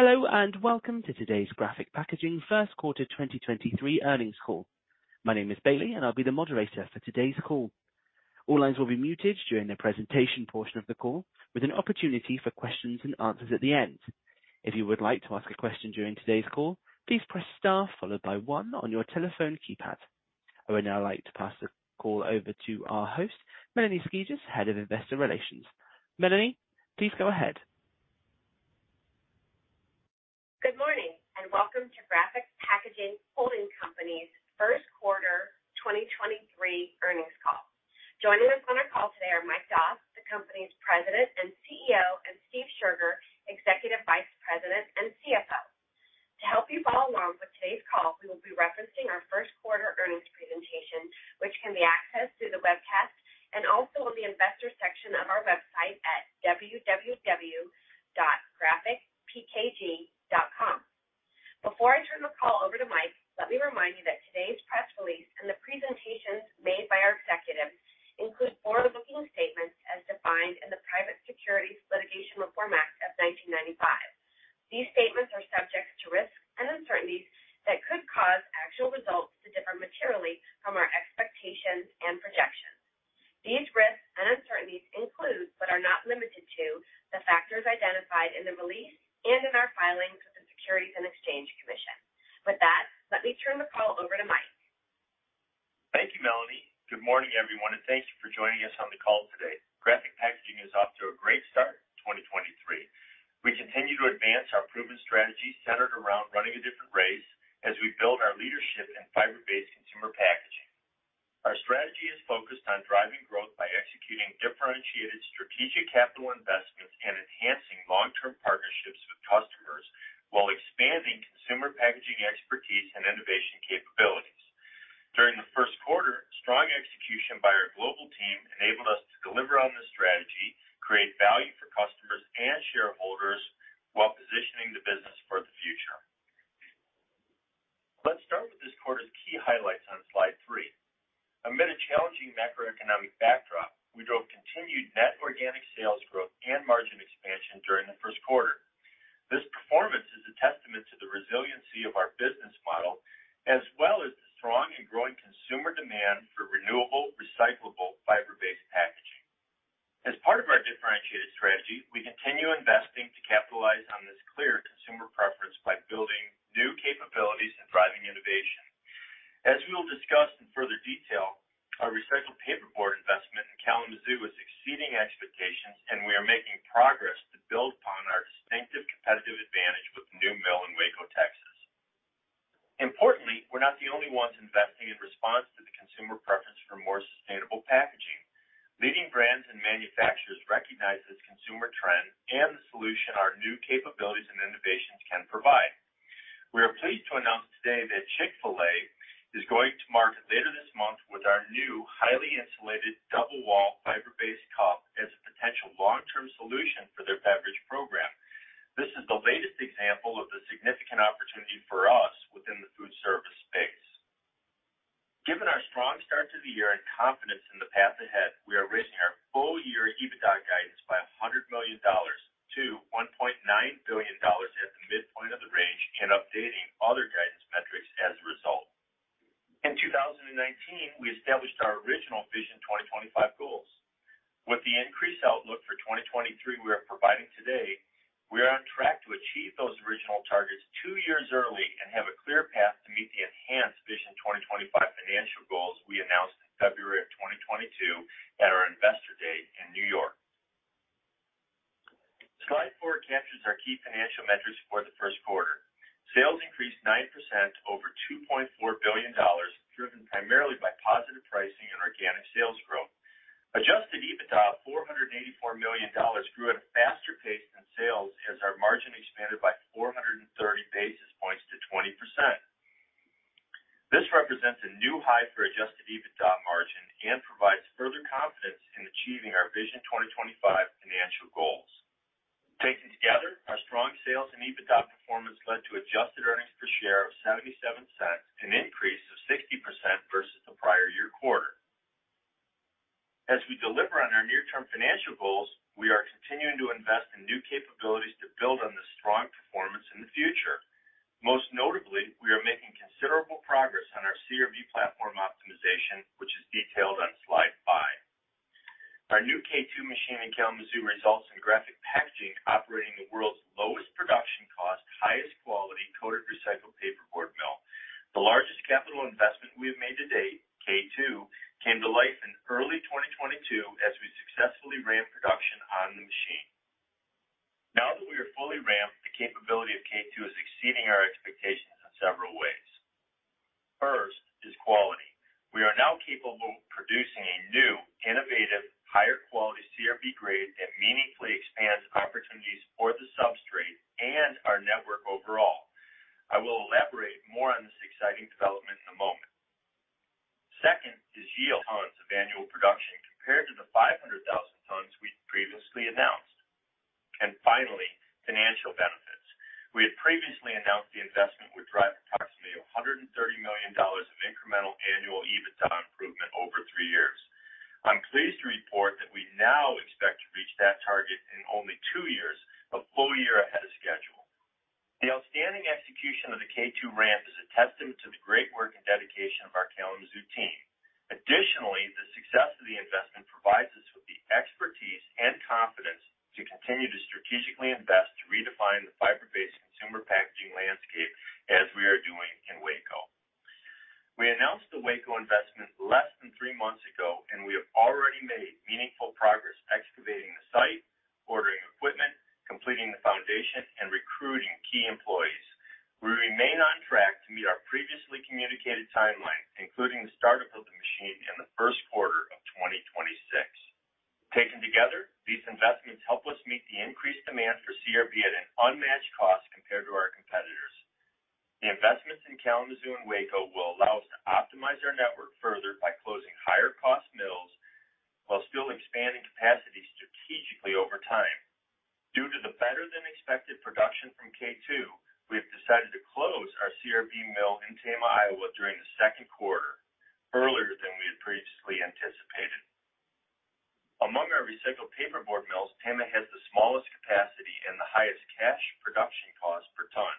Hello, and welcome to today's Graphic Packaging 1st quarter 2023 earnings call. My name is Bailey, and I'll be the moderator for today's call. All lines will be muted during the presentation portion of the call, with an opportunity for questions and answers at the end. If you would like to ask a question during today's call, please press star followed by 1 on your telephone keypad. I would now like to pass the call over to our host, Melanie Skijus, Head of Investor Relations. Melanie, please go ahead. Good morning, and welcome to Graphic Packaging Holding Company's first quarter 2023 earnings call. Joining us on the call today are Mike Doss, the company's President and CEO, and Steve Scherger, Executive Vice President and CFO. To help you follow along with today's call, we will be referencing our first quarter earnings presentation, which can be accessed through the webcast and also on the investor section of our website at www.graphicpkg.com. Before I turn the call over to Mike, let me remind you that today's press release and the presentations made by our executives include forward-looking statements as defined in the Private Securities Litigation Reform Act of 1995. These statements are subject to risks and uncertainties that could cause actual results to differ materially from our expectations and projections. These risks and uncertainties include, but are not limited to, the factors identified in the release and in our filings with the Securities and Exchange Commission. With that, let me turn the call over to Mike. Thank you, Melanie. Good morning, everyone, and thank you for joining us on the call today. Graphic Packaging is off to a great start in 2023. We continue to advance our proven strategy centered around running a different race as we build our leadership in fiber-based consumer packaging. Our strategy is focused on driving growth by executing differentiated strategic capital investments and enhancing we established our original Vision 2025 goals. With the increased outlook for 2023 we are providing today, we are on track to achieve those original targets two years early and have a clear path to meet the enhanced Vision 2025 financial goals we announced in February 2022 at our Investor Day in New York. Slide 4 captures our key financial metrics for the first quarter. Sales increased 9% over $2.4 billion, driven primarily by positive pricing and organic sales growth. Adjusted EBITDA of $484 million grew at a faster pace than sales as our margin expanded by 430 basis points to 20%. This represents a new high for adjusted EBITDA margin and provides further confidence in achieving our Vision 2025 financial goals. Taken together, our strong sales and EBITDA performance led to adjusted earnings per share of $0.77, an increase of 60% versus the prior year quarter. As we deliver on our near-term financial goals, we are continuing to invest in new capabilities to build on this strong performance in the future. Most notably, we are making considerable progress on our CRB platform optimization, which is detailed on slide 5. Our new K2 machine in Kalamazoo results in Graphic Packaging operating the world's lowest production cost, highest quality coated recycled paperboard mill. The largest capital investment we have made to date, K2, came to life in early 2022 as we successfully ramped production on the machine. Now that we are fully ramped, the capability of K2 is exceeding our expectations in several ways. First is quality. We are now capable of producing a new, innovative, higher quality CRB grade that meaningfully expands opportunities for the substrate and our network overall. I will elaborate more on this exciting development in a moment. Second is yield. Tons of annual production compared to the 500,000 tons we previously announced. Finally, financial benefits. We had previously announced the investment would drive approximately $130 million of incremental annual EBITDA improvement over 3 years. I'm pleased to report that we now expect to reach that target in only 2 years, a full year ahead of schedule. The outstanding execution of the K2 ramp is a testament to the great work and dedication of our Kalamazoo team. Additionally, the success of the investment provides us with the expertise and confidence to continue to strategically invest to redefine the fiber-based consumer packaging landscape as we are doing in Waco. We announced the Waco investment less than 3 months ago. We have already made meaningful progress excavating the site, ordering equipment, completing the foundation, and recruiting key employees. We remain on track to meet our previously communicated timeline, including the start-up of the machine in the first quarter of 2026. Taken together, these investments help us meet the increased demand for CRB at an unmatched cost compared to our competitors. The investments in Kalamazoo and Waco will allow us to optimize our network further by closing higher-cost mills while still expanding capacity strategically over time. Due to the better-than-expected production from K2, we have decided to close our CRB mill in Tama, Iowa, during the second quarter, earlier than we had previously anticipated. Among our recycled paperboard mills, Tama has the smallest capacity and the highest cash production cost per ton.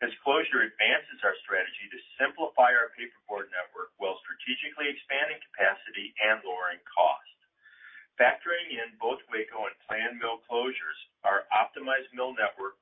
This closure advances our strategy to simplify our paperboard network while strategically expanding capacity and lowering cost. Factoring in both Waco and planned mill closures, our optimized mill network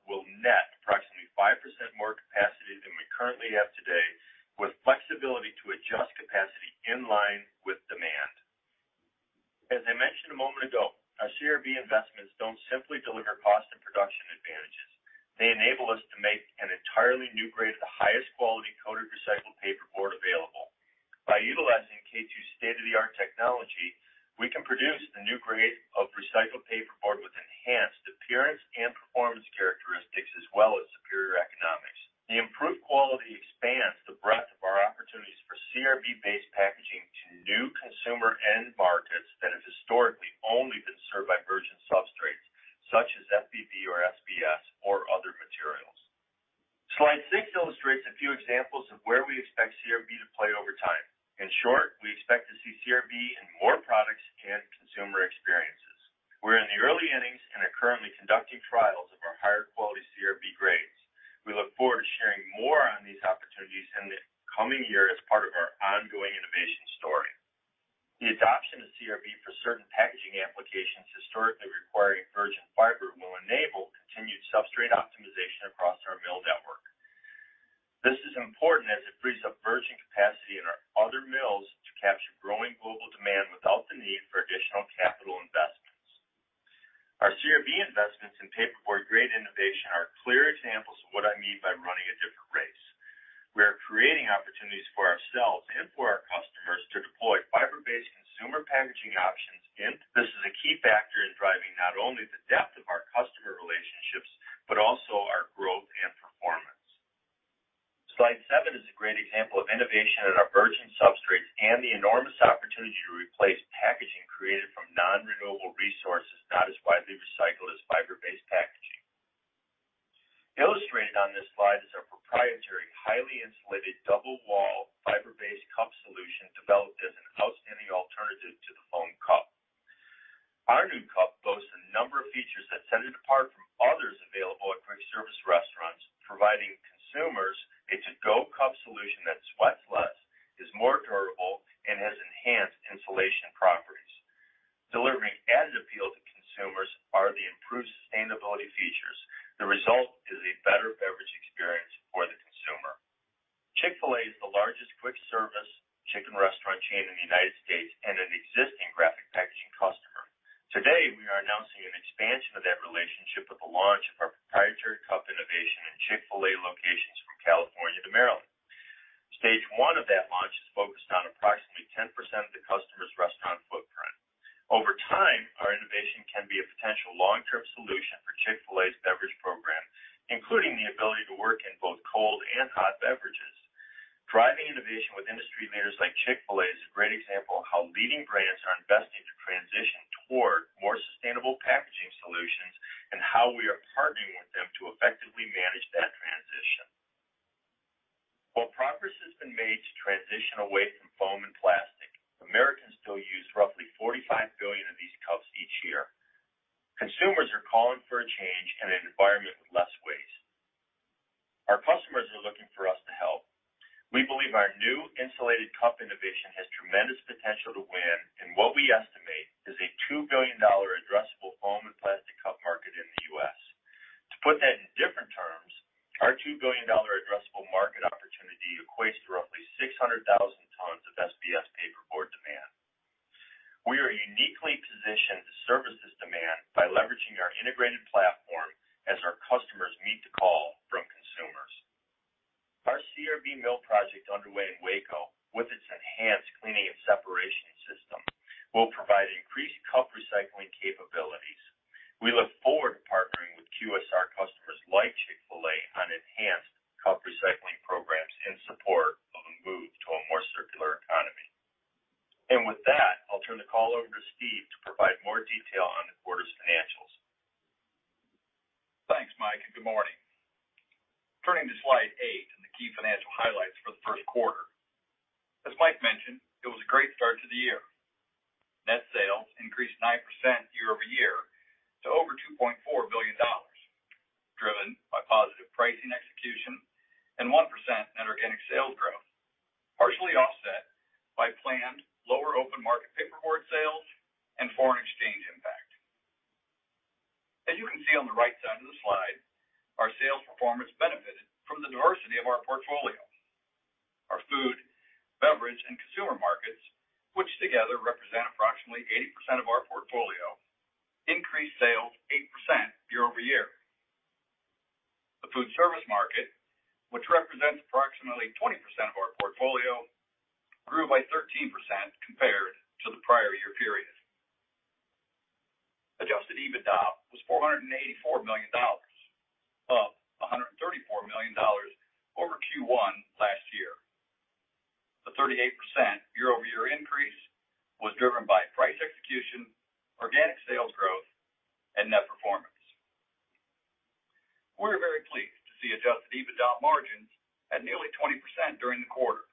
margins at nearly 20% during the quarter,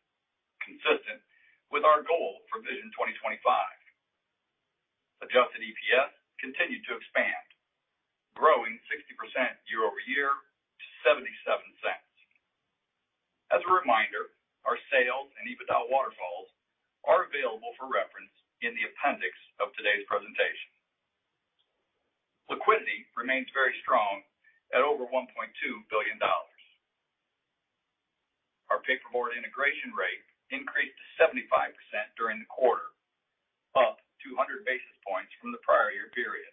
consistent with our goal for Vision 2025. Adjusted EPS continued to expand, growing 60% year-over-year to $0.77. As a reminder, our sales and EBITDA waterfalls are available for reference in the appendix of today's presentation. Liquidity remains very strong at over $1.2 billion. Our paperboard integration rate increased to 75% during the quarter, up 200 basis points from the prior year period.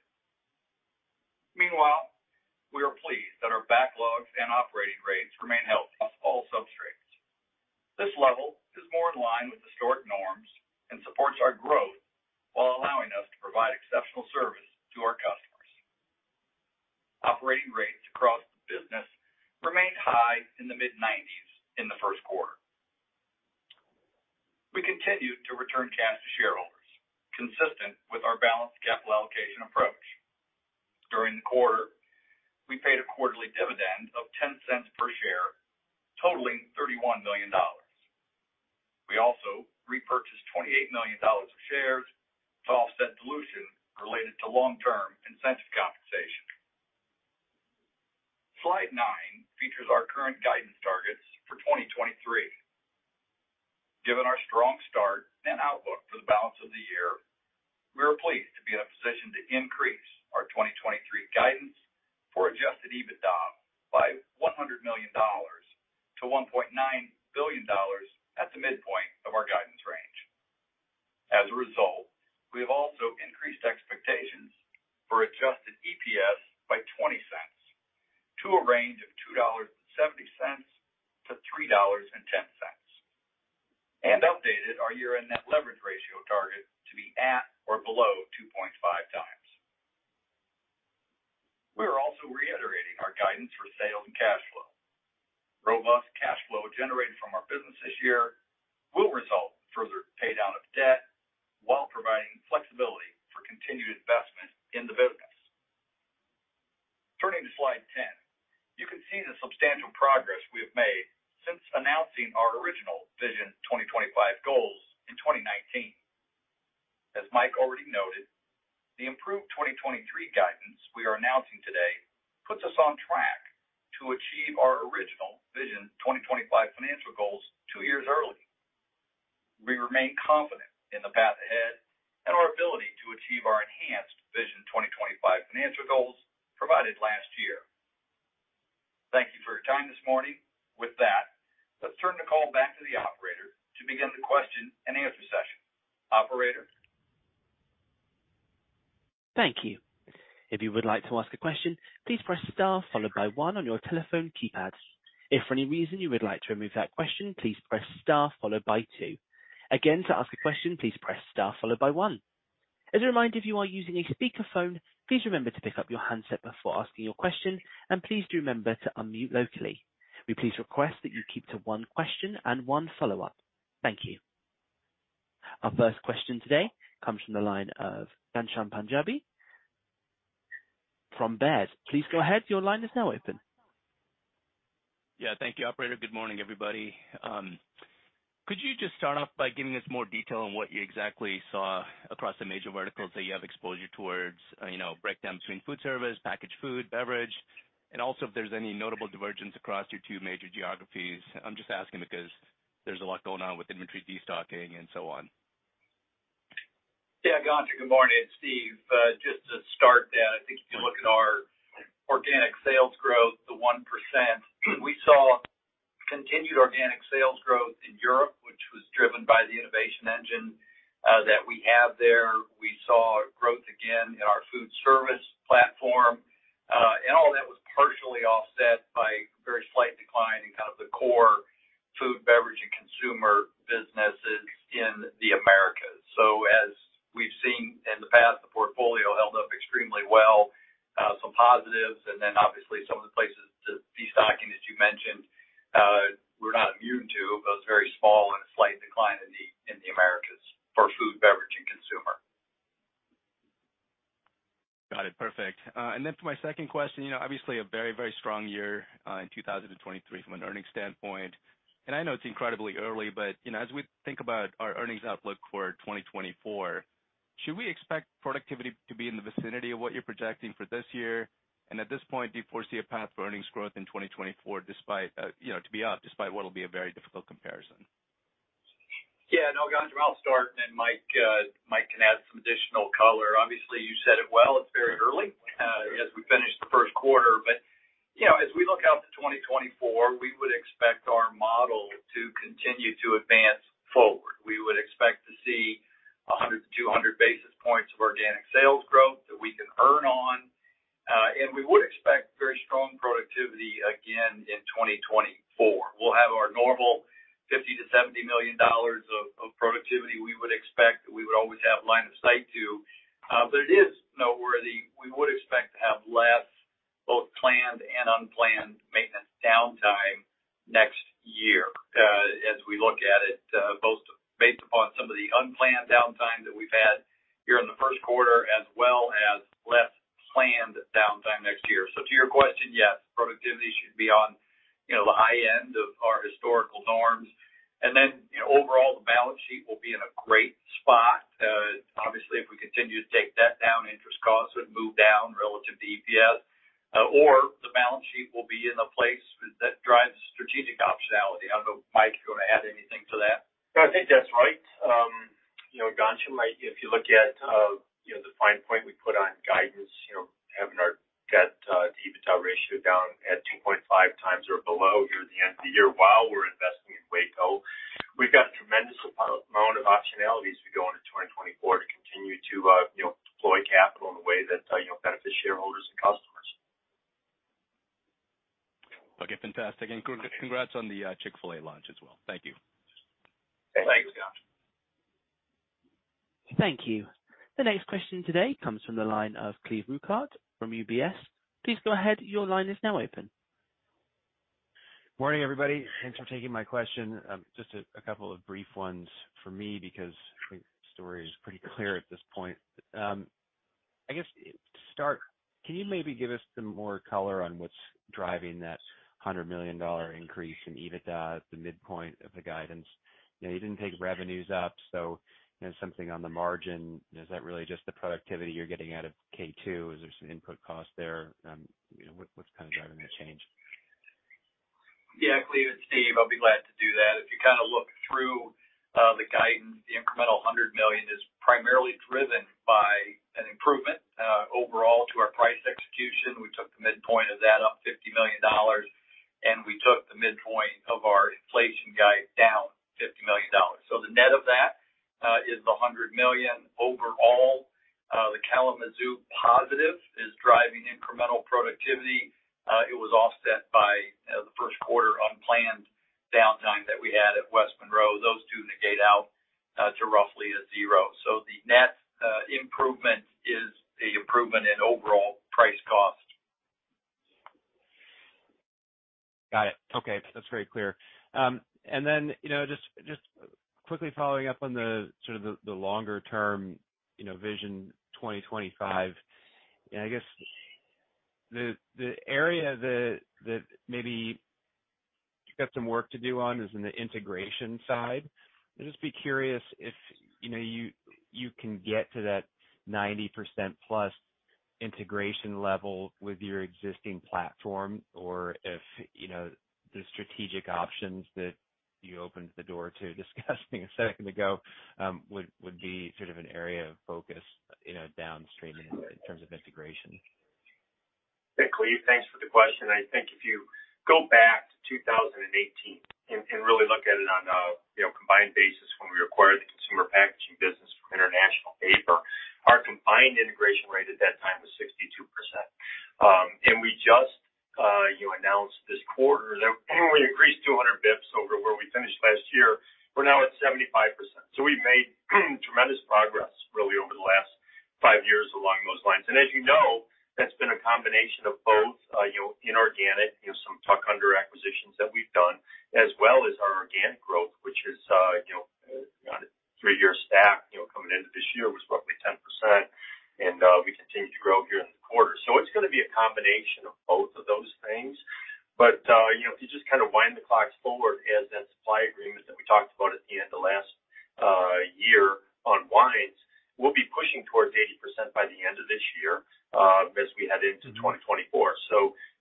Meanwhile, we are pleased that our backlogs and operating rates remain healthy across all substrates. This level is more in line with historic norms and supports our growth while allowing us to provide exceptional service to our customers. Operating rates across the business remained high in the mid-90s in the first quarter. We continued to return cash to shareholders, consistent with our balanced capital allocation approach. During the quarter, we paid a quarterly dividend of $0.10 per share, totaling $31 million. We also repurchased $28 million of shares to offset dilution related to long-term incentive compensation. Slide 9 features our current guidance targets for 2023. Given our strong start and outlook for the balance of the year, we are pleased to be in a position to increase our 2023 guidance for adjusted EBITDA by $100 million to $1.9 billion at the midpoint of our guidance range. As a result, we have also increased expectations for adjusted EPS by $0.20 to a range of $2.70-$3.10, and updated our year-end net leverage ratio target to be at or below 2.5x. We are also reiterating our guidance for sales and cash flow. Robust cash flow generated from our business this year will result in further pay-down of debt while providing flexibility for continued investment in the business. Turning to slide 10, you can see the substantial progress we have made since announcing our original Vision 2025 goals in 2019. As Mike already noted, the improved 2023 guidance we are announcing today puts us on track to achieve our original Vision 2025 financial goals 2 years early. We remain confident in the path ahead and our ability to achieve our enhanced Vision 2025 financial goals provided last year. Thank you for your time this morning. With that, let's turn the call back to the operator to begin the question and answer session. Operator? Thank you. If you would like to ask a question, please press star followed by 1 on your telephone keypad. If for any reason you would like to remove that question, please press star followed by 2. Again, to ask a question, please press star followed by 1. As a reminder, if you are using a speakerphone, please remember to pick up your handset before asking your question, and please do remember to unmute locally. We please request that you keep to 1 question and 1 follow-up. Thank you. Our first question today comes from the line of Ghanshyam Panjabi from Baird. Please go ahead. Your line is now open. Yeah. Thank you, operator. Good morning, everybody. Could you just start off by giving us more detail on what you exactly saw across the major verticals that you have exposure towards? You know, breakdown between food service, packaged food, beverage, and also if there's any notable divergence across your two major geographies. I'm just asking because there's a lot going on with inventory destocking and so on. Yeah. Ghanshyam, good morning. It's Steve. Just to start that, I think if you look at our organic sales growth, the 1%. We saw continued organic sales growth in Europe, which was driven by the innovation engine that we have there. We saw growth again in our food service platform. All that was partially offset by very slight decline in kind of the core food, beverage, and consumer businesses in the Americas. As we've seen in the past, the portfolio held up extremely well. Some positives and then obviously some of the places, the destocking that you mentioned. Got it. Perfect. To my second question, you know, obviously a very, very strong year in 2023 from an earnings standpoint. I know it's incredibly early, but, you know, as we think about our earnings outlook for 2024, should we expect productivity to be in the vicinity of what you're projecting for this year? At this point, do you foresee a path for earnings growth in 2024 despite, you know, to be up despite what will be a very difficult comparison? Yeah. No, Ghanshyam, I'll start, and then Mike can add some additional color. Obviously, you said it well. It's very early, as we finish the first quarter. You know, as we look out to 2024, we would expect our model to continue to advance forward. We would expect to see 100-200 basis points of organic sales growth that we can earn on, and we would expect very strong productivity again in 2024. We'll have our normal $50 million-$70 million of productivity we would expect that we would always have line of sight to. It is noteworthy, we would expect to have less both planned and unplanned maintenance downtime next year, as we look at it, both based upon some of the unplanned downtime that we've had here in the first quarter, as well as less planned downtime next year. To your question, yes, productivity should be on, you know, the high end of our historical norms. Overall, the balance sheet will be in a great spot. Obviously, if we continue to take debt down, interest costs would move down relative to EPS, or the balance sheet will be in a place that drives strategic optionality. I don't know, Mike, if you want to add anything to that. No, I think that's right. You know, Ghanshyam, like if you look at, you know, the fine point we put on guidance, you know, having our debt-to-EBITDA ratio down at 2.5 times or below here at the end of the year while we're investing in Waco, we've got a tremendous amount of optionality as we go into 2024 to continue to, you know, deploy capital in a way that, you know, benefits shareholders and customers. Okay, fantastic. Congrats on the Chick-fil-A launch as well. Thank you. Thanks. Thanks, Ghanshyam. Thank you. The next question today comes from the line of Cleve Rueckert from UBS. Please go ahead. Your line is now open. Morning, everybody. Thanks for taking my question. Just a couple of brief ones for me because I think the story is pretty clear at this point. I guess to start, can you maybe give us some more color on what's driving that $100 million increase in EBITDA at the midpoint of the guidance? You know, you didn't take revenues up, so, you know, something on the margin. Is that really just the productivity you're getting out of K2? Is there some input cost there? You know, what's kind of driving that change? Yeah. Cleve, it's Steve. I'll be glad to do that. If you kind of look through the guidance, the incremental $100 million is primarily driven by an improvement overall to our price execution. We took the midpoint of that up $50 million, and we took the midpoint of our inflation guide down $50 million. The net of that is the $100 million overall. The Kalamazoo positive is driving incremental productivity. It was offset by, you know, the 1st quarter unplanned downtime that we had at West Monroe. Those two negate out to roughly a 0. The net improvement is a improvement in overall price cost. Got it. Okay. That's very clear. You know, just quickly following up on the sort of the longer term, you know, Vision 2025. You know, I guess the area that maybe you've got some work to do on is in the integration side. I'd just be curious if, you know, you can get to that 90% plus integration level with your existing platform or if, you know, the strategic options that you opened the door to discussing a second ago, would be sort of an area of focus, you know, downstream in terms of integration. Yeah. Cleve, thanks for the question. I think if you go back to 2018 and really look at it on a, you know, combined basis when we acquired the consumer packaging business from International Paper, our combined integration rate at that time was 62%. We just, you know, announced this quarter that we increased 200 basis points over where we finished last year. We're now at 75%. We've made tremendous progress really over the last five years along those lines. As you know, that's been a combination of both, you know, inorganic, you know, some tuck under acquisitions that we've done, as well as our organic growth, which is, you know, on a three-year stack, you know, coming into this year was roughly 10%. We continue to grow here in the quarter. It's gonna be a combination of both of those things. You know, if you just kind of wind the clocks forward as that supply agreement that we talked about at the end of last year unwinds, we'll be pushing towards 80% by the end of this year, as we head into 2024.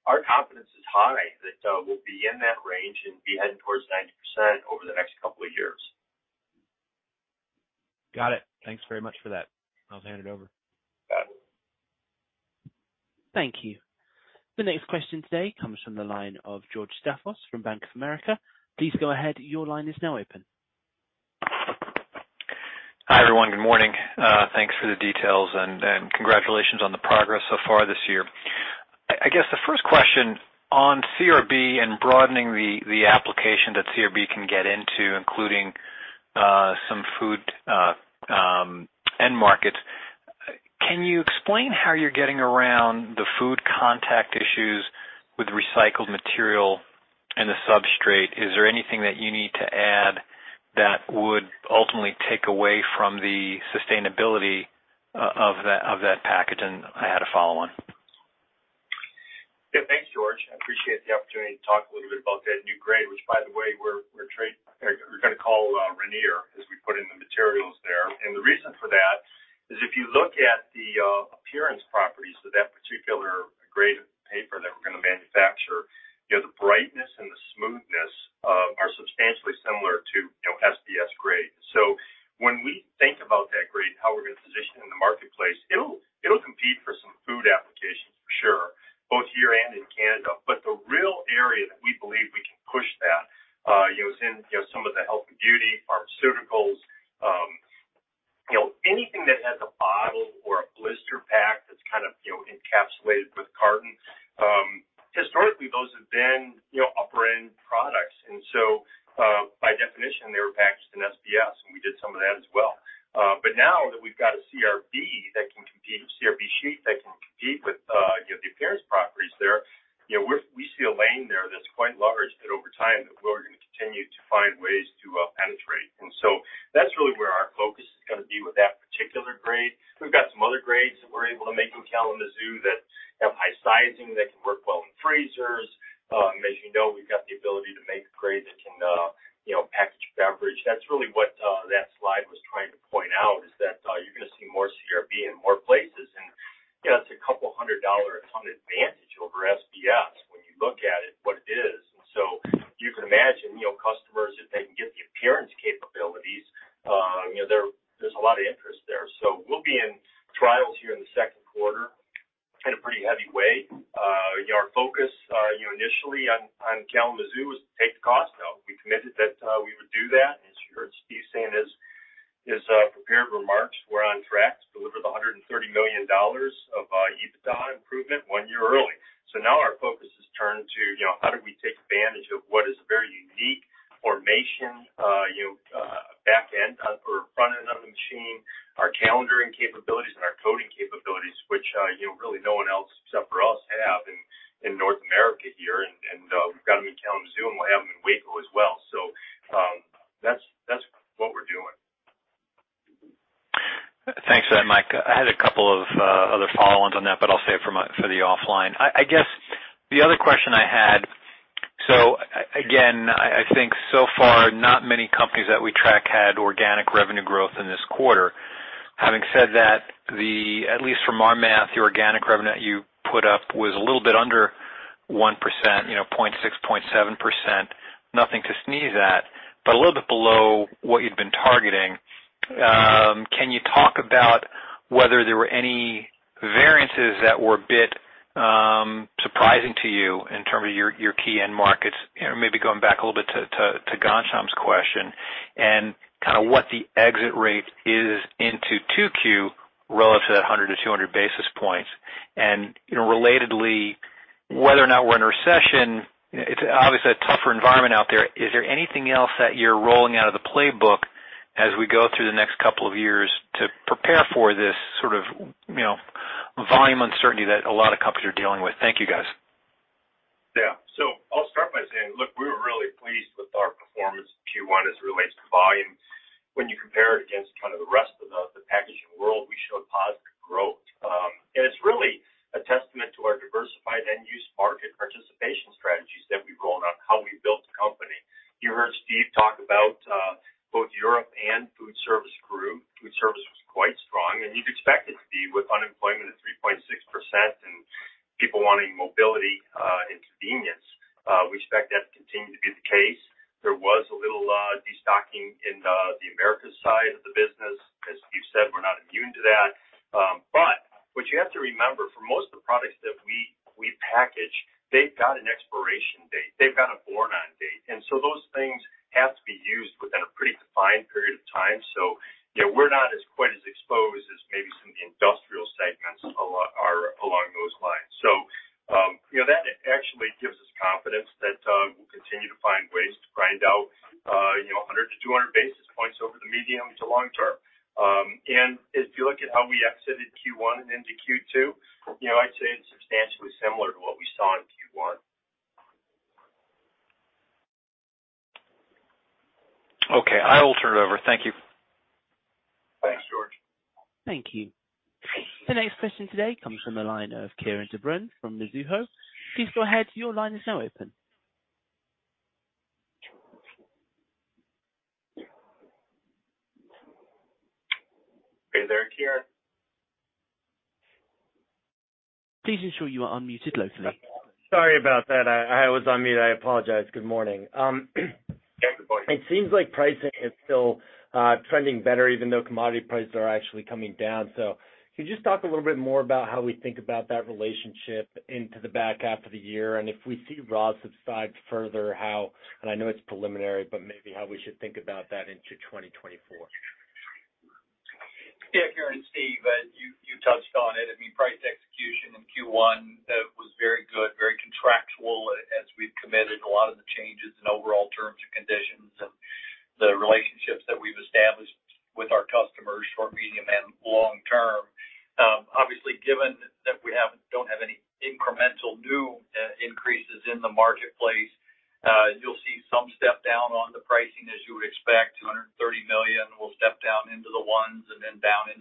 Our confidence is high that we'll be in that range and be heading towards 90% over the next couple of years. Got it. Thanks very much for that. I'll hand it over. Got it. Thank you. The next question today comes from the line of George Staphos from Bank of America. Please go ahead. Your line is now open. Hi, everyone. Good morning. Thanks for the details, and congratulations on the progress so far this year. I guess the first question on CRB and broadening the application that CRB can get into, including some food end markets. Can you explain how you're getting around the food contact issues with recycled material and the substrate? Is there anything that you need to add? That would ultimately take away from the sustainability of that package. I had a follow on. Yeah. Thanks, George. I appreciate the opportunity to talk a little bit about that new grade, which by the way, we're gonna call Rainier as we put in the materials there. The reason for that is if you look at the appearance properties of that particular grade of paper that we're gonna manufacture, you know, the brightness and the smoothness are substantially similar to, you know, SBS grade. When you know, 0.6%, 0.7%. Nothing to sneeze at, but a little bit below what you'd been targeting. Can you talk about whether there were any variances that were a bit surprising to you in terms of your key end markets? You know, maybe going back a little bit to Ghanshyam's question and kind of what the exit rate is into 2Q relative to that 100-200 basis points. Relatedly, whether or not we're in a recession, it's obviously a tougher environment out there. Is there anything else that you're rolling out of the playbook as we go through the next couple of years to prepare for this sort of, you know, volume uncertainty that a lot of companies are dealing with? Thank you, guys. I'll start by saying, look, we were really pleased with our performance in Q1 as it relates to volume. When you compare it against kind of the rest of the packaging world, we showed positive growth. It's really a testament to our diversified end use market participation strategies that we've grown on how we built the company. You heard Steve talk about both Europe and food service group. Food service was quite strong, and you'd expect it to be with unemployment at 3.6% and people wanting mobility and convenience. We expect that to continue to be the case. There was a little destocking in the Americas side of the business. As Steve said, we're not immune to that. What you have to remember for most of the products that we package, they've got an expiration date, they've got a born on date. Those things have to be used within a pretty defined period of time. You know, we're not as quite as exposed as maybe some of the industrial segments a lot are along those lines. You know, that actually gives us confidence that we'll continue to find ways to grind out, you know, 100-200 basis points over the medium to long term. If you look at how we exited Q1 and into Q2, you know, I'd say it's substantially similar to what we saw in Q1. Okay. I will turn it over. Thank you. Thanks, George. Thank you. The next question today comes from the line of Kieran deBruin from Mizuho. Please go ahead. Your line is now open. Are you there, Kieran? Please ensure you are unmuted locally. Sorry about that. I was on mute. I apologize. Good morning. Yeah, good morning. It seems like pricing is still trending better even though commodity prices are actually coming down. Can you just talk a little bit more about how we think about that relationship into the back half of the year? If we see raw subside further, how, and I know it's preliminary, but maybe how we should think about that into 2024. Kieran, Steve, you touched on it. I mean, price execution in Q1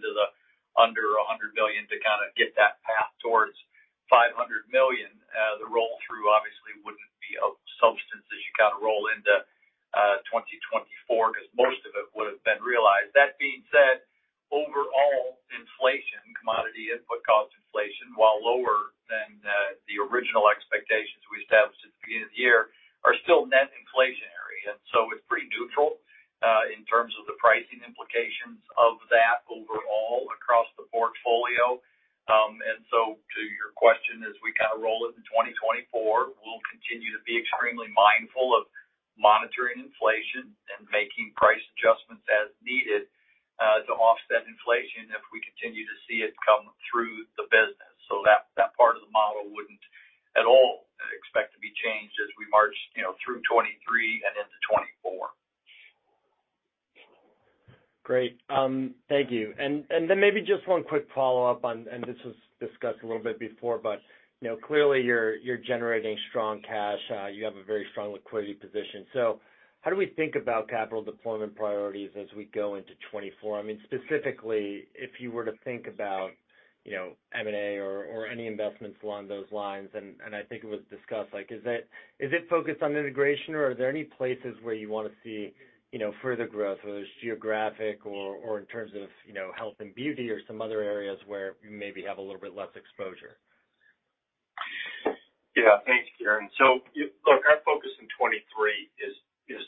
was very good, very contractual as we've committed a lot of the changes in overall terms and conditions and the relationships that we've established with our customers short, medium, and long term. Obviously, given that we have until new increases in the marketplace, you'll see some step down on the pricing as you would expect, $230 million will step down into the ones and then down into the under $100 million to kind of get that path towards $500 million. The roll through obviously wouldn't be of substance as you kind of roll into 2024 because most of it would have been realized. That being said, overall inflation, commodity input cost inflation, while lower than, the original expectations we established at the beginning of the year, are still net inflationary. It's pretty neutral in terms of the pricing implications of that overall across the portfolio. To your question, as we kind of roll into 2024, we'll continue to be extremely mindful of monitoring inflation and making price adjustments as needed to offset inflation if we continue to see it come through the business. That, that part of the model wouldn't at all expect to be changed as we march, you know, through 2023 and into 2024. Great. Thank you. Then maybe just one quick follow-up on, this was discussed a little bit before, you know, clearly you're generating strong cash. You have a very strong liquidity position. How do we think about capital deployment priorities as we go into 2024? I mean, specifically, if you were to think about, you know, M&A or any investments along those lines, I think it was discussed, like, is it, is it focused on integration or are there any places where you wanna see, you know, further growth, whether it's geographic or in terms of, you know, health and beauty or some other areas where you maybe have a little bit less exposure? Yeah. Thanks, Kieran. Look, our focus in 2023 is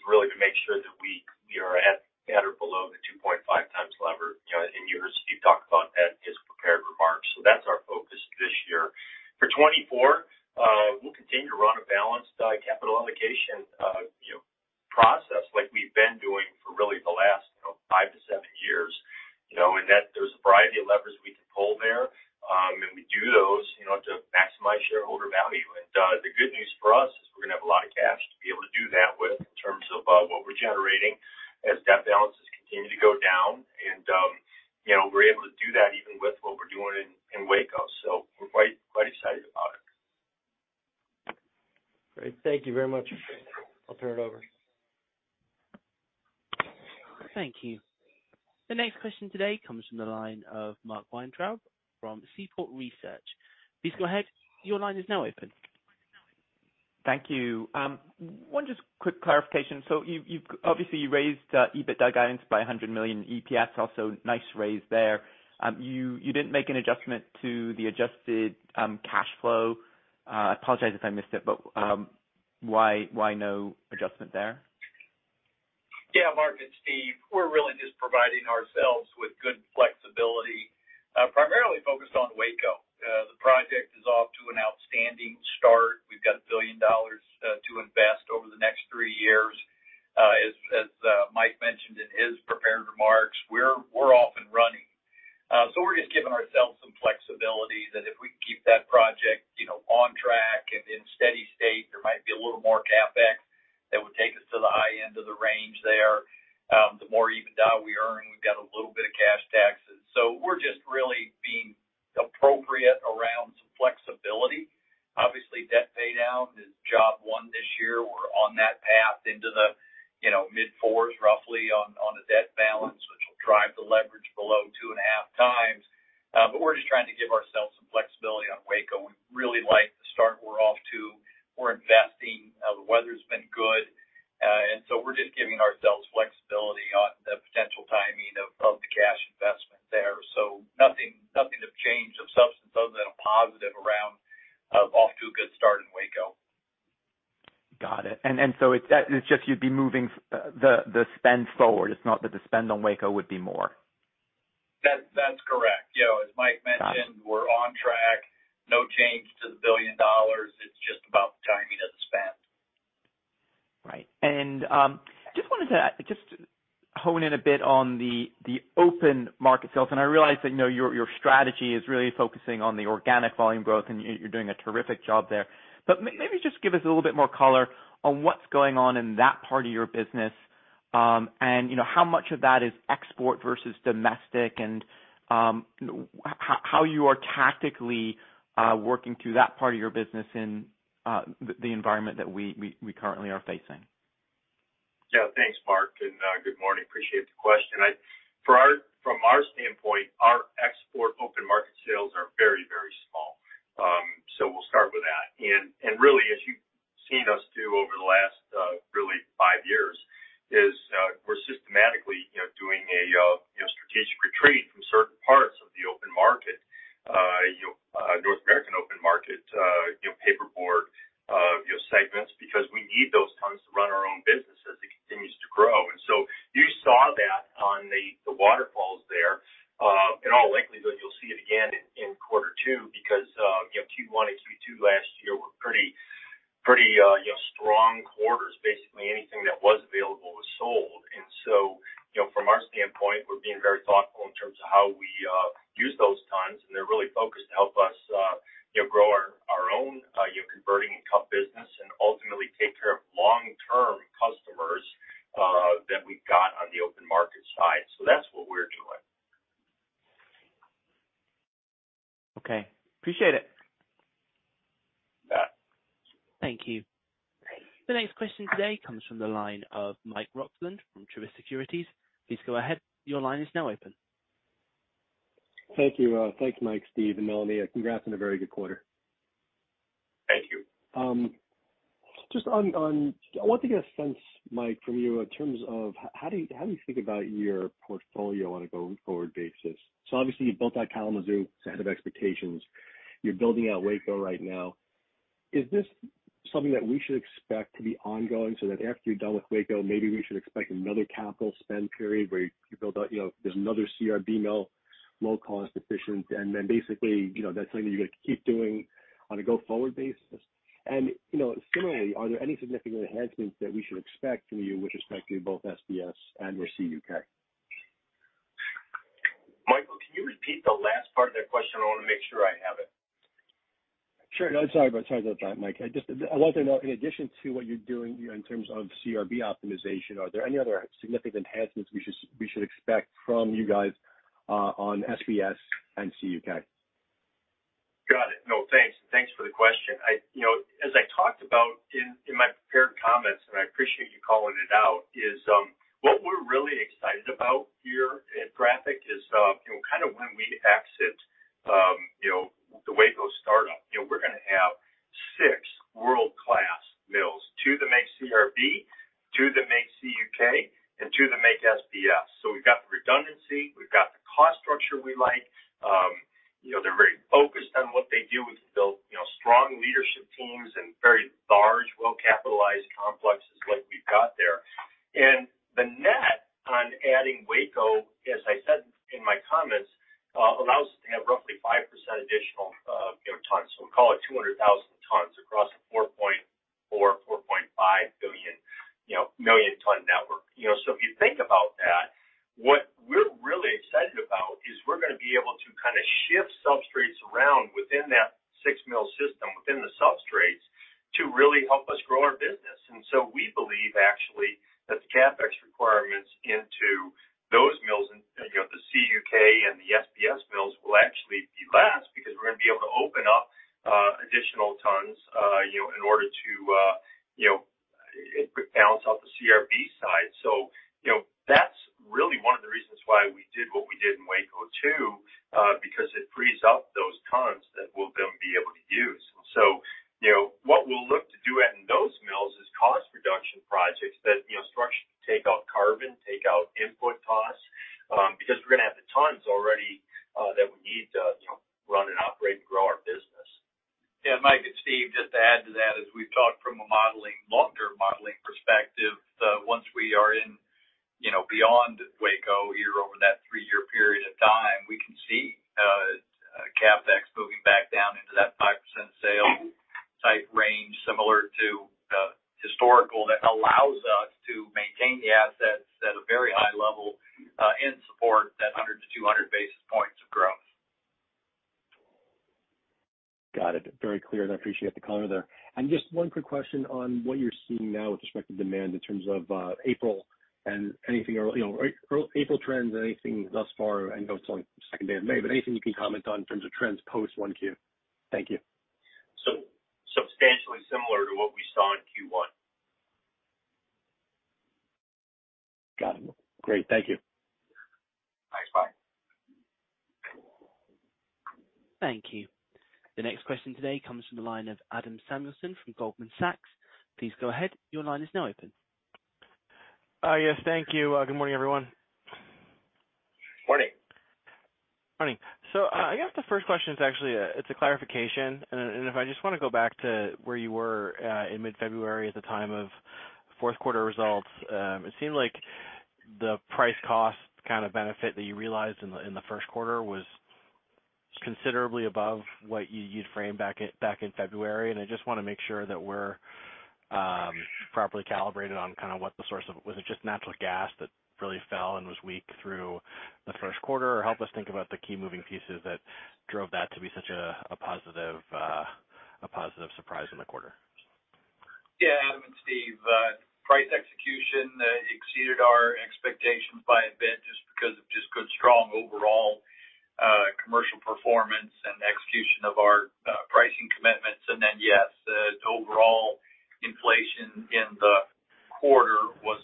really to make sure that we are at or below the 2.5 times lever, you know, and you heard Steve talk about that in his prepared remarks. That's our focus this year. For 2024, we'll continue to run a balanced capital allocation, you know, process like we've been Mark, it's Steve. We're really just providing ourselves with good flexibility, primarily focused on Waco. The project is off to an outstanding start. We've got $1 billion to invest over the next 3 years. As Mike mentioned in his prepared remarks, we're off and running. We're just giving ourselves some flexibility that if we can keep that project, you know, on track and in steady state, there might be a little more CapEx that would take us to the high end of the range there. The more EBITDA we earn, we've got a little bit of cash taxes. We're just really being appropriate around some flexibility. Obviously, debt pay down is job 1 this year. We're on that path into the, you know, mid-4s roughly on a debt balance, which will drive the leverage below 2.5 times. We're just trying to give ourselves some flexibility on Waco. We really like the start we're off to. We're investing. The weather's been good. We're just giving ourselves flexibility on the potential timing of the cash investment there. Nothing, nothing of change of substance other than a positive around, off to a good start in Waco. Got it. That is just you'd be moving the spend forward. It's not that the spend on Waco would be more. That's correct. You know, as Mike mentioned. Got it. -we're on track. No change to the $1 billion. It's just about the timing of the spend. Right. Just wanted to hone in a bit on the open market sales. I realize that, you know, your strategy is really focusing on the organic volume growth, and you're doing a terrific job there. Maybe just give us a little bit more color on what's going on in that part of your business, and, you know, how much of that is export versus domestic and how you are tactically working through that part of your business in the environment that we currently are facing. Thanks, Mark, good morning. Appreciate the question. Thank you. Thanks, Mike, Steve, and Melanie. Congrats on a very good quarter. Thank you. Just on I want to get a sense, Mike, from you in terms of how do you think about your portfolio on a go-forward basis? Obviously you built out Kalamazoo ahead of expectations. You're building out Waco right now. Is this something that we should expect to be ongoing so that after you're done with Waco, maybe we should expect another capital spend period where you build out, you know, there's another CRB mill, low cost, efficient, and then basically, you know, that's something you're gonna keep doing on a go-forward basis? You know, similarly, are there any significant enhancements that we should expect from you with respect to both SBS and your CUK? Michael, can you repeat the last part of that question? I wanna make sure I have it. Sure. No, sorry about that, Mike. I'd like to know, in addition to what you're doing in terms of CRB optimization, are there any other significant enhancements we should expect from you guys on SBS and CUK? Got it. No, thanks. Thanks for the question. You know, as I talked about in my prepared comments, and I appreciate you calling it out, is, what we're really excited about here at Graphic is, you know, kind of when we exit, you know, the Waco startup, you know, we're gonna have six world-class mills. Two that make CRB, two that make CUK, and two that make SBS. We've got the redundancy, we've got the cost structure we like. You know, they're very focused on what they do. We've built, you know, strong leadership teams and very large, well-capitalized complexes like we've Please go ahead. Your line is now open. Yes, thank you. Good morning, everyone. Morning. Morning. I guess the first question is actually, it's a clarification. If I just wanna go back to where you were in mid-February at the time of fourth quarter results. It seemed like the price cost kind of benefit that you realized in the first quarter was considerably above what you'd framed back in February. I just wanna make sure that we're properly calibrated on kind of what the source of... Was it just natural gas that really fell and was weak through the first quarter? Or help us think about the key moving pieces that drove that to be such a positive surprise in the quarter. Yeah. Adam and Steve, price execution exceeded our expectations by a bit because of good, strong overall commercial performance and execution of our pricing commitments. Yes, overall inflation in the quarter was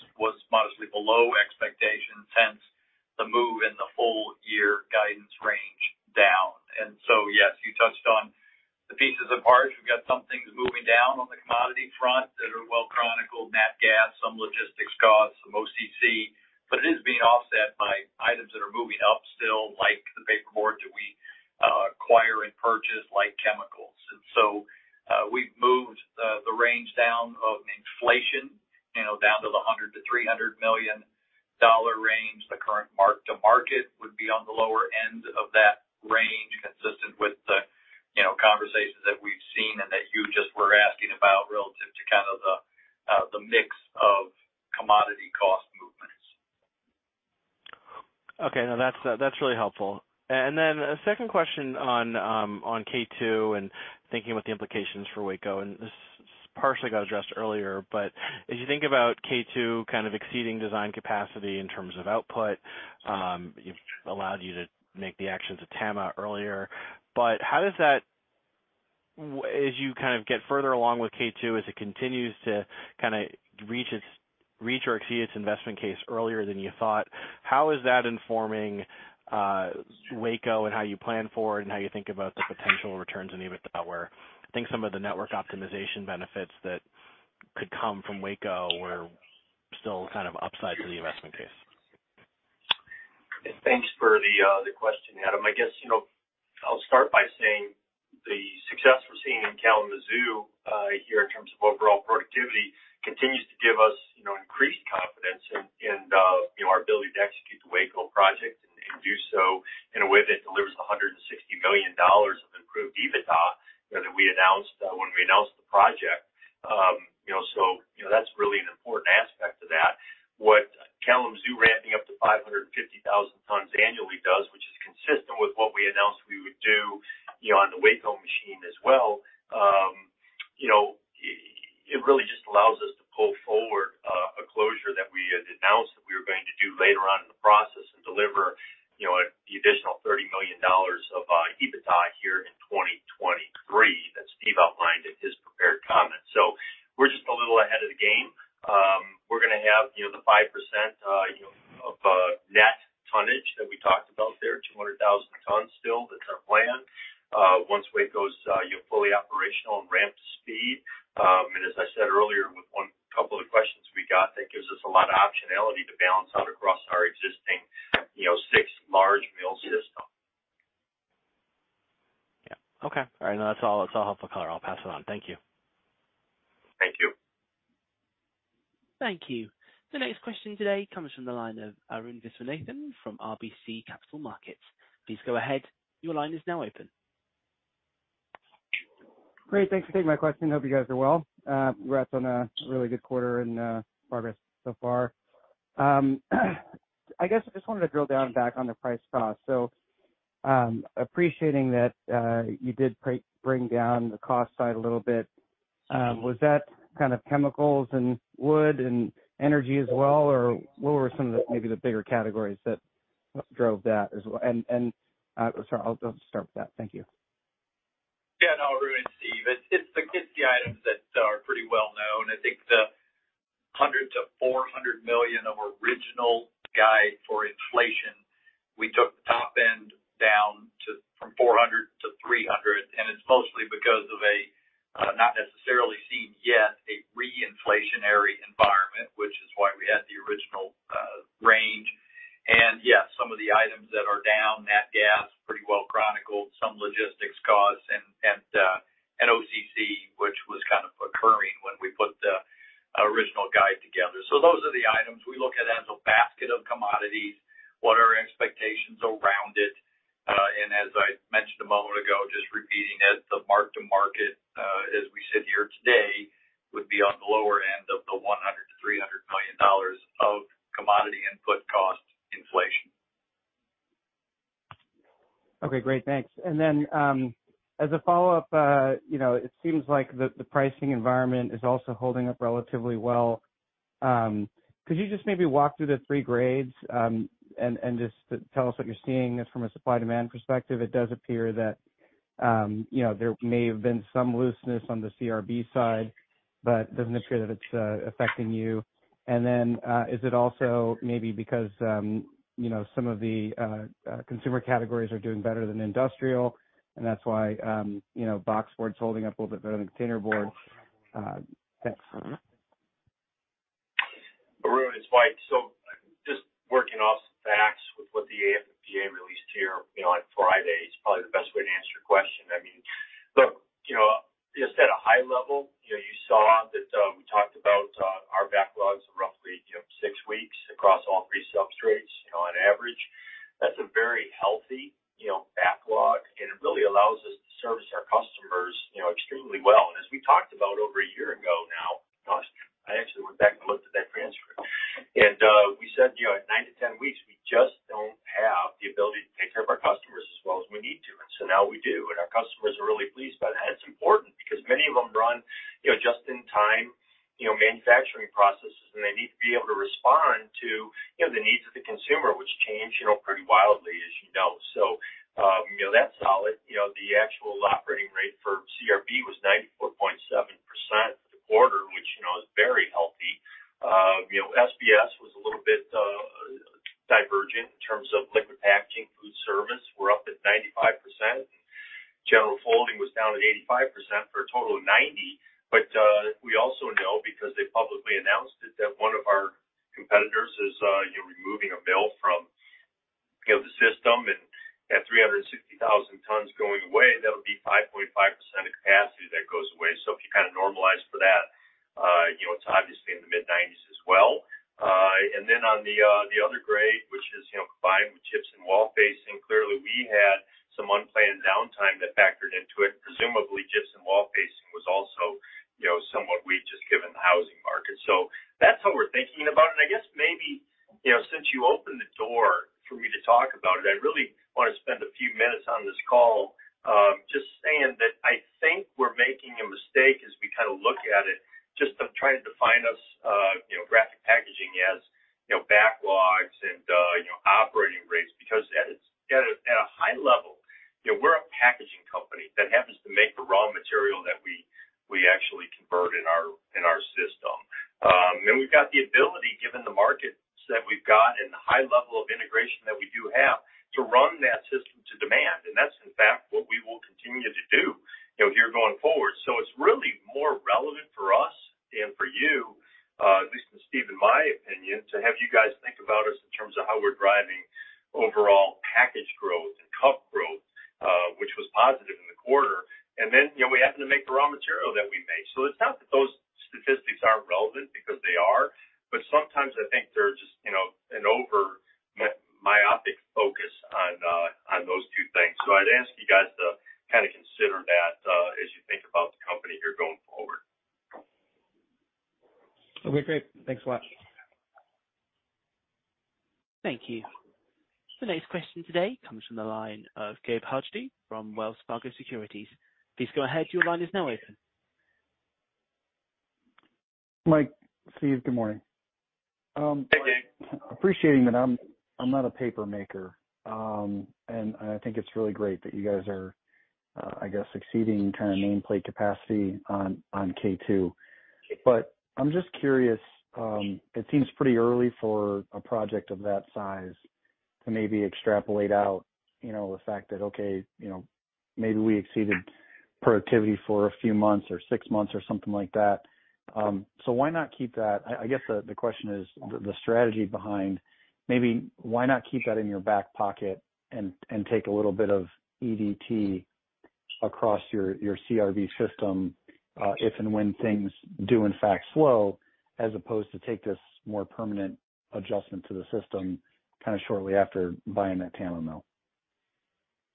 modestly below expectations, hence the move in the full year guidance range down. Yes, you touched on the pieces of parts. We've got some things moving down on the commodity front that are well chronicled, nat gas, some logistics costs, some OCC, but it is being offset by items that are moving up still, like the paperboard that we acquire and purchase, like chemicals. We've moved the range down of inflation, you know, down to the $100 million-$300 million range. The current mark to market would be on the lower end of that range, consistent with the, you know, conversations that we've seen and that you just were asking about relative to kind of the mix of commodity cost movements. Okay. No, that's that's really helpful. A second question on K2 and thinking about the implications for Waco, this partially got addressed earlier, but as you think about K2 kind of exceeding design capacity in terms of output, it allowed you to make the actions of Tama earlier. How does that as you kind of get further along with K2 as it continues to kinda reach or exceed its investment case earlier than you thought, how is that informing Waco and how you plan for it and how you think about the potential returns in EBITDA? Where I think some of the network optimization benefits that could come from Waco were still kind of upside to the investment case. Thanks for the question, Adam. I guess, you know, I'll start by saying the success we're seeing in Kalamazoo here in terms of overall productivity continues to give us, you know, increased confidence in, you know, our ability to execute the Waco project and do so in a way that delivers $160 million of improved EBITDA that we announced when we announced the project. You know, that's really an important aspect to that. What Kalamazoo ramping up to 550,000 tons annually does, which is consistent with what we announced we would do, you know, on the Waco machine as well. You know, it really just allows us to pull forward a closure that we had announced that we were going to do later on in the process and deliver, you know, the additional $30 million of EBITDA here in 2023 that Steve outlined in his prepared comments. We're just a little ahead of the game. We're gonna have, you know, the 5%, you know, of net tonnage that we talked about there, 200,000 tons still. That's our plan. Once Waco's, you know, fully operational and ramped to speed. As I said earlier with one couple of questions we got, that gives us a lot of optionality to balance out across our existing, you know, 6 large mill system. Yeah. Okay. All right. That's all. That's all helpful color. I'll pass it on. Thank you. Thank you. Thank you. The next question today comes from the line of Arun Viswanathan from RBC Capital Markets. Please go ahead. Your line is now open. Great. Thanks for taking my question. Hope you guys are well. Congrats on a really good quarter and progress so far. I guess I just wanted to drill down back on the price cost. Appreciating that you did pre-bring down the cost side a little bit, was that kind of chemicals and wood and energy as well, or what were some of the, maybe the bigger categories that drove that as well? Sorry, I'll just start with that. Thank you. Yeah, no, Arun, Steve, it's the items that are pretty well known. I think the $100 million-$400 million of original guide for inflation, we took the top end down to from $400 to $300. It's mostly because of a not necessarily seen yet a re-inflationary environment, which is why we had the original range. Yes, some of the items that are down, nat gas pretty well chronicled some logistics costs and an OCC, which was kind of occurring when we put the original guide together. Those are the items we look at as a basket of commodities. What are our expectations around it? As I mentioned a moment ago, just repeating it, the mark to market, as we sit here today, would be on the lower end of the $100 million-$300 million of commodity input cost inflation. Okay, great. Thanks. As a follow-up, you know, it seems like the pricing environment is also holding up relatively well. Could you just maybe walk through the three grades, and just tell us what you're seeing from a supply demand perspective? It does appear that, you know, there may have been some looseness on the CRB side, but it doesn't appear that it's affecting you. Is it also maybe because, you know, some of the consumer categories are doing better than industrial, that's why, you know, boxboard is holding up a little bit better than container board? Thanks. Arun, it's Mike. Just working off the facts with what the AFPA released here, you know, on Friday is probably the best way to answer your question. Look, you know, just at a high level, you know, you saw that we talked about our backlogs of roughly, you know, 6 weeks across all three substrates, you know, on average. That's a very healthy, you know, backlog, and it really allows us to service our customers, you know, extremely well. As we talked about over a year ago now, I actually went back and looked at that transcript, and we said, you know, at 9-10 weeks, we just don't have the ability to take care of our customers as well as we need to. Now we do. Our customers are really pleased by that. It's important because many of them run, you know, just in time, you know, manufacturing processes, and they need to be able to respond to, you know, the needs of the consumer, which change, you know, pretty wildly as you know. You know, that's solid. You know, the actual operating rate for CRB was 94.7% for the quarter, which, you know, is very healthy. You know, SBS was a little bit divergent in terms of liquid packaging. Food service were up at 95%. General folding was down at 85% for a total of 90%. We also know because they publicly announced it, that one of our competitors is, you know, removing a mill from, you know, the system. At 360,000 tons going away, that would be 5.5% of capacity that goes away. If you kind of normalize for that, you know, it's obviously in the mid-90s as well. Then on the other grade, which is, you know, combined with chips and wall facing, clearly we had some unplanned downtime that factored into it. Presumably chips and wall facing was also, you know, somewhat weak just given the housing market. That's how we're thinking about it. I guess maybe-You know, since you opened the door for me to talk about it, I really want to spend a few minutes on this call, just saying that I think we're making a mistake as we kind of look at it just of trying to define us, you know, Graphic Packaging as, you know, backlogs and, you know, operating rates because at a high level, you know, we're a packaging company that happens to make the raw material that we actually convert in our, in our system. We've got the ability, given the markets that we've got and the high level of integration that we do have, to run that system to demand. That's in fact what we will continue to do, you know, here going forward. It's really more relevant for us and for you, at least in Steve and my opinion, to have you guys think about us in terms of how we're driving overall package growth and cup growth, which was positive in the quarter. You know, we happen to make the raw material that we make. It's not that those statistics aren't relevant because they are, but sometimes I think they're just, you know, an over myopic focus on those two things. I'd ask you guys to kind of consider that as you think about the company here going forward. Okay, great. Thanks a lot. Thank you. The next question today comes from the line of Gabe Hajde from Wells Fargo Securities. Please go ahead. Your line is now open. Mike, Steve, good morning. Hey, Gabe. Appreciating that I'm not a paper maker, and I think it's really great that you guys are, I guess, exceeding kind of nameplate capacity on K2. I'm just curious, it seems pretty early for a project of that size to maybe extrapolate out, you know, the fact that, okay, you know, maybe we exceeded productivity for a few months or 6 months or something like that. Why not keep that? I guess the question is the strategy behind maybe why not keep that in your back pocket and take a little bit of EDT across your CRB system, if and when things do in fact slow as opposed to take this more permanent adjustment to the system kind of shortly after buying that Tama mill.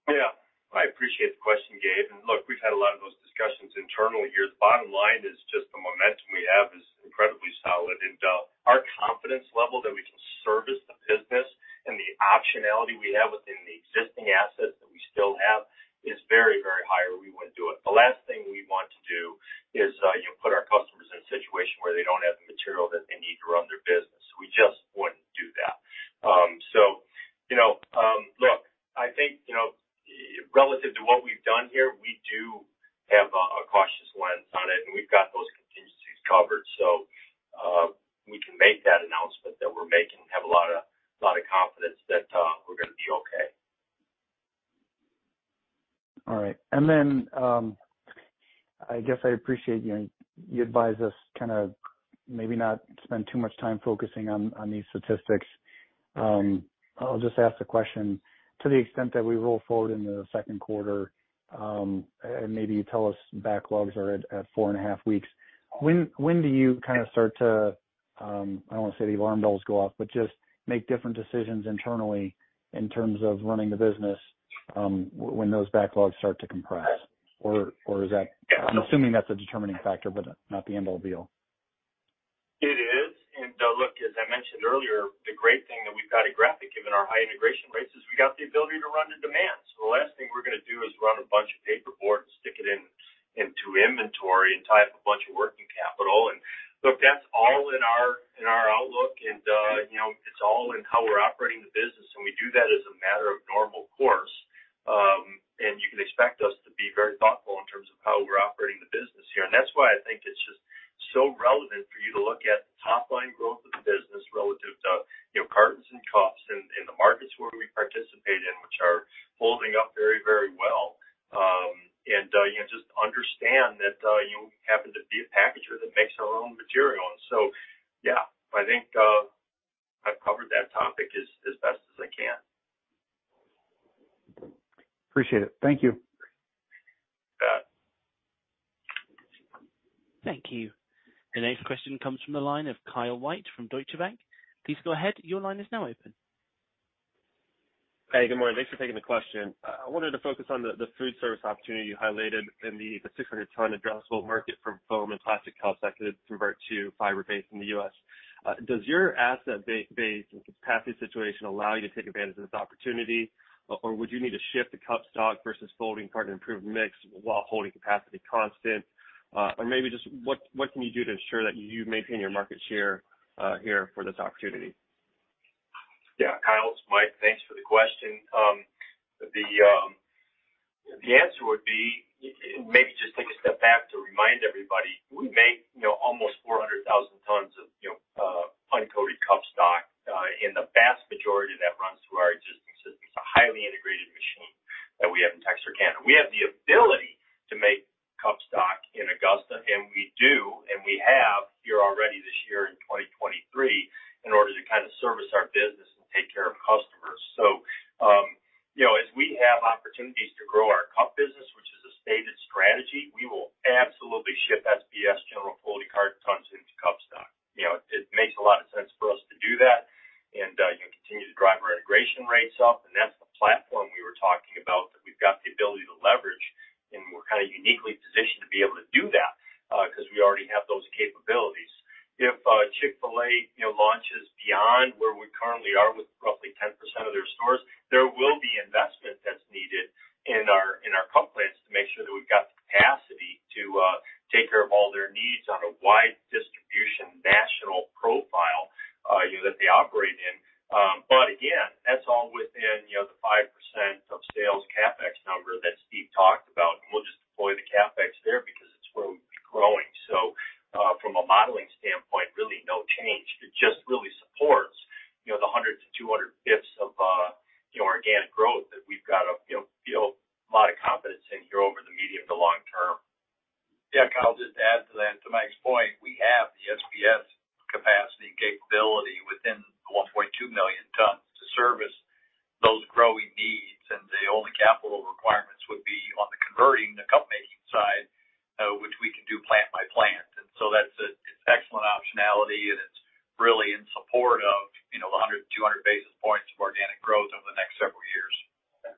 Yeah. I appreciate the question, Gabe. Look, we've had a lot of those discussions internally here. The bottom line is just the momentum we have is incredibly solid. Our confidence level that we can service the business and the optionality we have within the existing assets that we still have is very, very high or we wouldn't do it. The last thing we want to do is, you know, put our customers in a situation where they don't have the material that they need to run their business. We just wouldn't do that. Look, I think, you know, relative to what we've done here, we do have a cautious lens on it, and we've got those contingencies covered. We can make that announcement that we're making, have a lot of confidence that we're gonna be okay. All right. I guess I appreciate you advise us kind of maybe not spend too much time focusing on these statistics. I'll just ask the question to the extent that we roll forward into the second quarter, and maybe you tell us backlogs are at 4 and a half weeks. When do you kind of start to, I don't want to say the alarm bells go off, but just make different decisions internally in terms of running the business, when those backlogs start to compress? Or is that- Yeah, no. I'm assuming that's a determining factor, but not the end all be all. It is. Look, as I mentioned earlier, the great thing that we've got at Graphic given our high integration rates is we got the ability to run to demand. The last thing we're gonna do is run a bunch of paper boards, stick it in, into inventory, and tie up a bunch of working capital. Look, that's all in our, in our outlook. You know, it's all in how we're operating the business, and we do that as a matter of normal course. You can expect us to be very thoughtful in terms of how we're operating the business here. That's why I think it's just so relevant for you to look at the top-line growth of the business relative to, you know, cartons and cups in the markets where we participate in, which are holding up very, very well. You know, just understand that, you happen to be a packager that makes their own material. Yeah, I think, I've covered that topic as best as I can. Appreciate it. Thank you. You bet. Thank you. The next question comes from the line of Kyle White from Deutsche Bank. Please go ahead. Your line is now open. Hey, good morning. Thanks for taking the question. I wanted to focus on the food service opportunity you highlighted in the 600 ton addressable market for foam and plastic cup sector to convert to fiber base in the U.S. Does your asset base and capacity situation allow you to take advantage of this opportunity? Would you need to shift the cup stock versus folding carton improved mix while holding capacity constant? Maybe just what can you do to ensure that you maintain your market share here for this opportunity? Yeah. Kyle, it's Mike. Thanks for the question. The, the answer would be, maybe just take a step back to remind everybody. We make, you know, almost 400,000 tons of, you know, uncoated cup stock, and the vast majority of that runs through our existing systems, a highly integrated machine that we have in Texarkana. We have the ability to make cup stock in Augusta, and we do, and we have here already this year in 2023 in order to kind of service our business and take care of customers. As we have opportunities to grow our cup business, which is a stated strategy, we will absolutely ship SBS general folding carton tons into cup stock. You know, it makes a lot of sense for us to do that and, you know, continue to drive our integration rates up. That's the platform we were talking about that we've got the ability to leverage, and we're kind of uniquely positioned to be able to do that. 'Cause we already have those capabilities. If Chick-fil-A, you know, launches beyond where we currently are with roughly 10% of their stores, there will be investment that's needed in our, in our cup plants to make sure that we've got the capacity to take care of all their needs on a wide distribution national profile, you know, that they operate in. Again, that's all within, you know, the 5% of sales CapEx number that Steve talked about. We'll just deploy the CapEx there because it's where we'll be growing. From a modeling standpoint, really no change. It just really supports, you know, the 100 to 200 BPS of organic growth that we've got a feel a lot of confidence in here over the medium to long term. Yeah, Kyle, I'll just add to that. To Mike's point, we have the SBS capacity capability within the 1.2 million tons to service those growing needs. The only capital requirements would be on the converting the cup making side, which we can do plant by plant. That's excellent optionality, and it's really in support of, you know, the 100-200 basis points of organic growth over the next several years. Okay.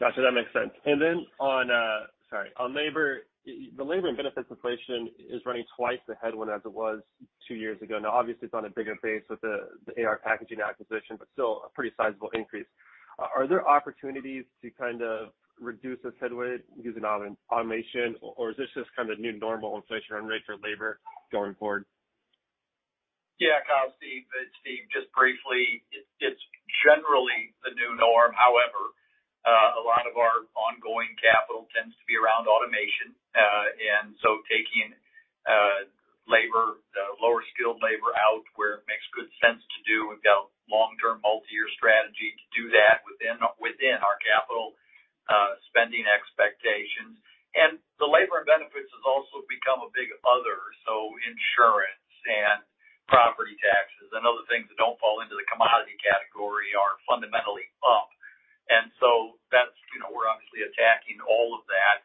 Got you. That makes sense. On labor, the labor and benefits inflation is running twice the headwind as it was 2 years ago. Obviously it's on a bigger base with the AR Packaging acquisition, but still a pretty sizable increase. Are there opportunities to kind of reduce this headwind using automation, or is this just kind of new normal inflation run rate for labor going forward? Yeah, Kyle, Steve, it's Steve. Just briefly, it's generally the new norm. However, a lot of our ongoing capital tends to be around automation, so taking labor lower skilled labor out where it makes good sense to do. We've got long-term multi-year strategy to do that within our capital spending expectations. The labor and benefits has also become a big other. Insurance and property taxes and other things that don't fall into the commodity category are fundamentally up. That's, you know, we're obviously attacking all of that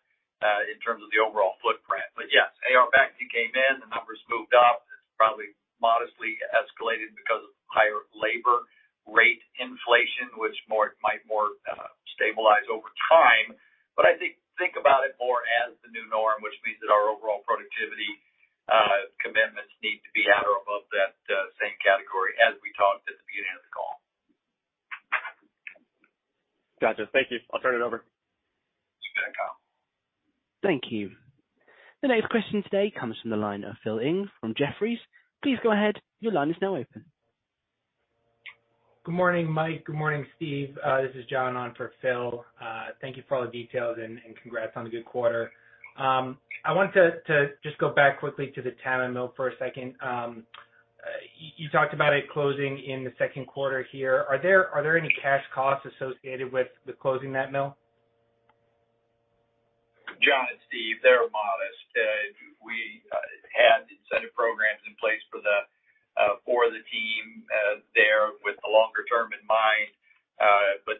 in terms of the overall footprint. Yes, AR Packaging came in, the numbers moved up. It's probably modestly escalated because of higher labor rate inflation, which it might more stabilize over time. I think about it more as the new norm, which means that our overall productivity, commitments need to be at or above that, same category as we talked at the beginning of the call. Gotcha. Thank you. I'll turn it over. You bet, Kyle. Thank you. The next question today comes from the line of Philip Ng from Jefferies. Please go ahead. Your line is now open. Good morning, Mike. Good morning, Steve. This is John on for Phil. Thank you for all the details and congrats on the good quarter. I want to just go back quickly to the Texarkana mill for a second. You talked about it closing in the second quarter here. Are there any cash costs associated with the closing that mill? John, it's Steve. They're modest. We had incentive programs in place for the for the team there with the longer term in mind.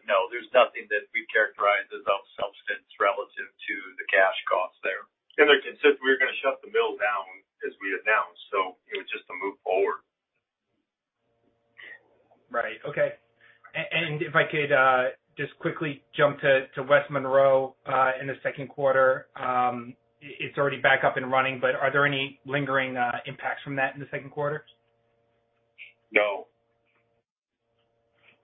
No, there's nothing that we'd characterize as of substance relative to the cash costs there. They're consistent. We were going to shut the mill down as we announced, it was just a move forward. Right. Okay. If I could just quickly jump to West Monroe in the second quarter. It's already back up and running, but are there any lingering impacts from that in the second quarter? No.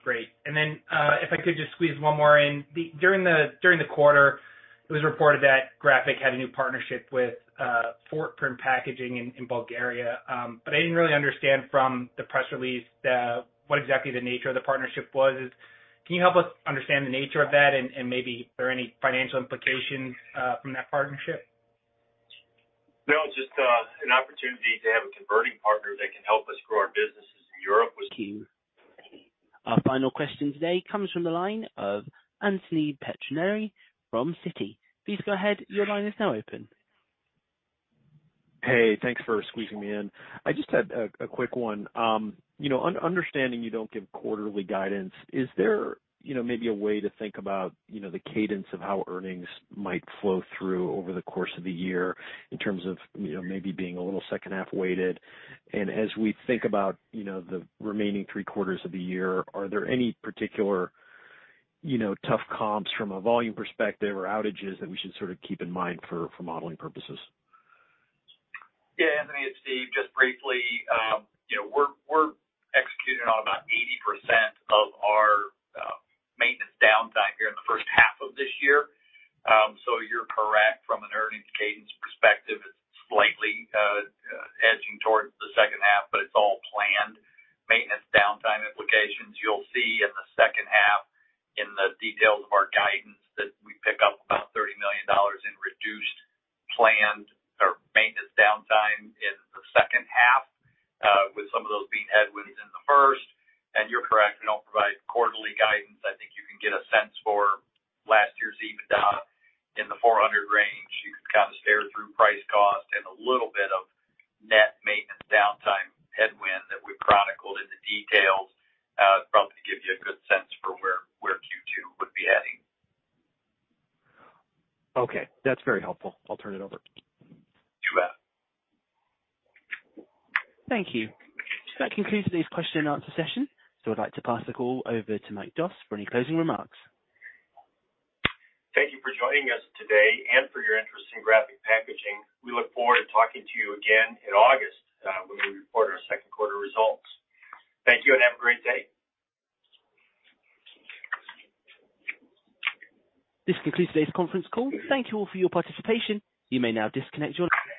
Great. Then, if I could just squeeze one more in. During the quarter, it was reported that Graphic Packaging had a new partnership with Fotprint Packaging in Bulgaria. I didn't really understand from the press release what exactly the nature of the partnership was. Can you help us understand the nature of that and maybe are there any financial implications from that partnership? No, just an opportunity to have a converting partner that can help us grow our businesses in Europe with- Thank you. Our final question today comes from the line of Anthony Pettinari from Citi. Please go ahead. Your line is now open. Hey, thanks for squeezing me in. I just had a quick one. You know, understanding you don't give quarterly guidance, is there, you know, maybe a way to think about, you know, the cadence of how earnings might flow through over the course of the year in terms of, you know, maybe being a little second-half weighted? As we think about, you know, the remaining three quarters of the year, are there any particular, you know, tough comps from a volume perspective or outages that we should sort of keep in mind for modeling purposes? Yeah, Anthony, it's Steve. Just briefly, you know, we're executing on about 80% of our maintenance downtime here in the first half of this year. You're correct from an earnings cadence perspective, it's slightly edging towards the second half, but it's all planned. Maintenance downtime implications, you'll see in the second half in the details of our guidance that we pick up about $30 million in reduced planned or maintenance downtime in the second half, with some of those being headwinds in the first. You're correct, we don't provide quarterly guidance. I think you can get a sense for last year's EBITDA in the 400 range. You could kind of stare through price cost and a little bit of net maintenance downtime headwind that we've chronicled in the details, to probably give you a good sense for where Q2 would be heading. Okay. That's very helpful. I'll turn it over. You bet. Thank you. That concludes today's question and answer session. I'd like to pass the call over to Mike Doss for any closing remarks. Thank you for joining us today and for your interest in Graphic Packaging. We look forward to talking to you again in August, when we report our second quarter results. Thank you, and have a great day. This concludes today's conference call. Thank you all for your participation. You may now disconnect your line.